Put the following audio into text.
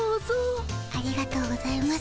ありがとうございます